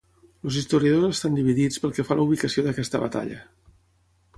Els historiadors estan dividits pel que fa a la ubicació d'aquesta batalla.